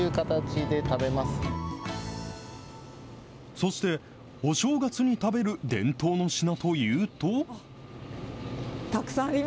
そして、お正月に食べる伝統の品というと。